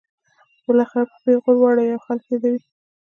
بالاخره په پیغور واړوي او خلک یې یادوي.